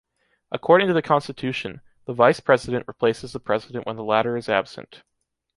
According to the Constitution, the Vice-President replaces the President when the latter is absent.